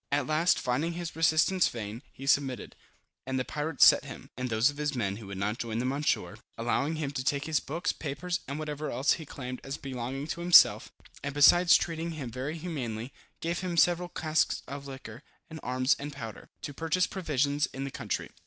At last, finding his resistance vain, he submitted, and the pirates set him, and those of his men who would not join them, on shore, allowing him to take his books, papers, and whatever else he claimed as belonging to himself; and besides treating him very humanely, gave him several casks of liquor, with arms and powder, to purchase provisions in the country.